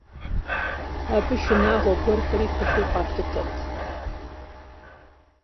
Абы шынагъуэ гуэрхэри пылъу къалъытэрт.